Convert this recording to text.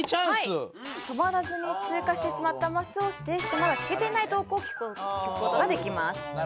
止まらずに通過してしまったマスを指定してまだ聞けていないトークを聞く事ができます。